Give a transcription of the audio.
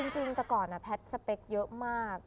จริงแต่ก่อนแพทย์สเปคเยอะมาก